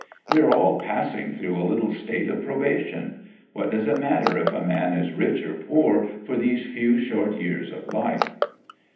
We are all passing through a little state of probation. What does it matter if a man is rich or poor for these few short years of life?"